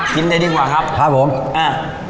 กินได้ดีกว่าครับครับผมอ่ะ